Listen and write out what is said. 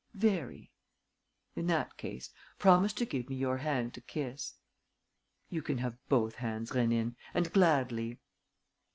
"Very." "In that case, promise to give me your hand to kiss." "You can have both hands, Rénine, and gladly."